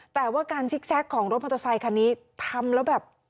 แต่ว่าการซิกแซคของรถมอเตอร์ไซคันนี้ทำแล้วแบบ